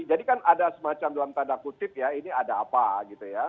jadi kan ada semacam dalam tanda kutip ya ini ada apa gitu ya